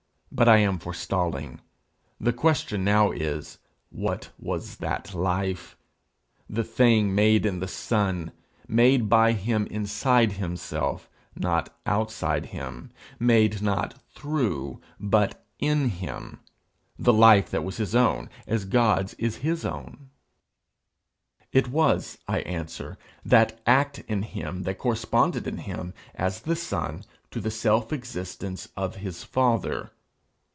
But I am forestalling. The question now is: What was that life, the thing made in the Son made by him inside himself, not outside him made not through but in him the life that was his own, as God's is his own? It was, I answer, that act in him that corresponded in him, as the son, to the self existence of his father.